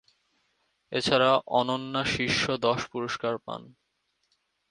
এছাড়া অনন্যা শীর্ষ দশ পুরস্কার পান।